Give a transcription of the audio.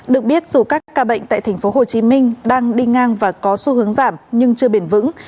được biết dù các ca bệnh tại tp hcm đang đi ngang và có xu hướng giảm nhưng chưa bền vững